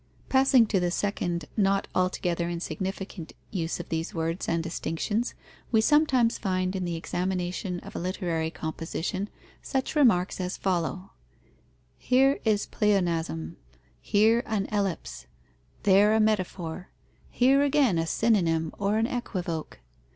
_ Passing to the second, not altogether insignificant, use of these words and distinctions, we sometimes find in the examination of a literary composition such remarks as follow: here is a pleonasm, here an ellipse, there a metaphor, here again a synonym or an equivoke.